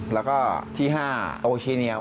แล้วก็ที่๕โอเคเนียล